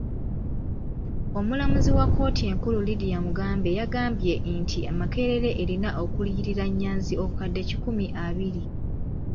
Omulamuzi wa kkooti enkulu Lydia Mugambe yagambye nti Makerere erina okuliyirira Nyanzi obukadde kikumi abiri.